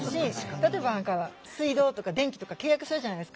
例えば水道とか電気とか契約するじゃないですか。